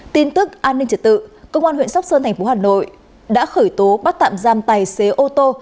tin tức an ninh trật tự công an huyện sóc sơn thành phố hà nội đã khởi tố bắt tạm giam tài xế ô tô